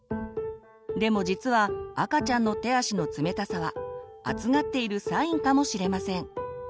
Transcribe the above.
でも実は赤ちゃんの手足の冷たさは暑がっているサインかもしれません。